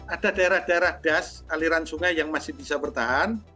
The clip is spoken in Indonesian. ada daerah daerah das aliran sungai yang masih bisa bertahan